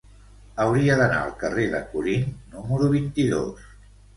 Hauria d'anar al carrer de Corint número vint-i-dos.